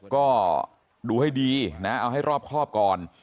ก็ดูให้ดีนะเอาให้รอบครอบก่อน